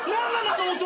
あの音。